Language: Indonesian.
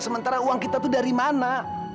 sementara uang kita itu dari mana